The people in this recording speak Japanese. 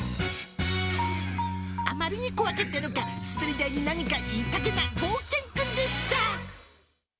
あまりに怖かったのか、滑り台に何か言いたげな、ごうけんくんでした。